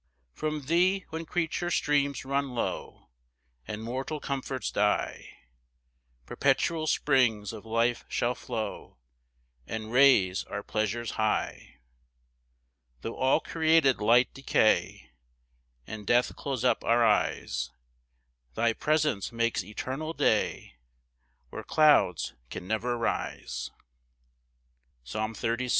7 [From thee, when creature streams run low, And mortal comforts die, Perpetual springs of life shall flow, And raise our pleasures high. 8 Tho' all created light decay, And death close up our eyes Thy presence makes eternal day Where clouds can never rise.] Psalm 36:3. 1 7.